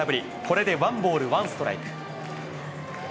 これでワンボールワンストライク。